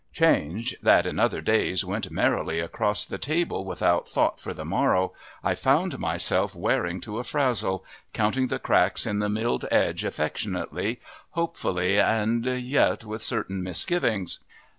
Change that in other days went merrily across the table without thought for the morrow, I found myself wearing to a frazzle, counting the cracks in the milled edges affectionately, hopefully, and yet with certain misgivings.